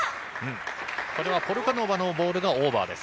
これはポルカノバのボールがオーバーです。